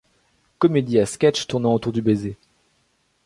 Comédie à sketches tournant autour du baiser.